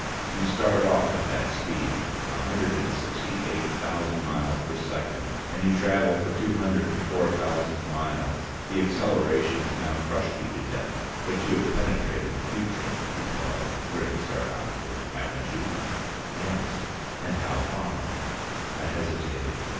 You start off at that speed, a hundred and sixty eight thousand miles per second, and you travel for two hundred and four thousand miles. The acceleration has now crushed you to death, but you have penetrated the future." He paused, grinning sardonically. "Haven't you?" "Yes." "And how far?" I hesitated.